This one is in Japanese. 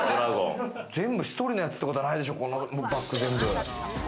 全部１人のやつってことはないでしょう。